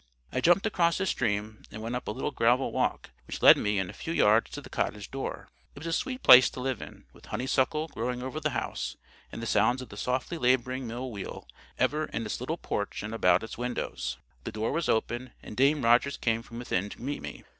I jumped across the stream, and went up a little gravel walk, which led me in a few yards to the cottage door. It was a sweet place to live in, with honeysuckle growing over the house, and the sounds of the softly labouring mill wheel ever in its little porch and about its windows. The door was open, and Dame Rogers came from within to meet me.